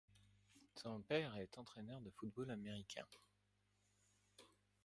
Son père est entraineur de football américain.